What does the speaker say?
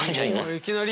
いきなり？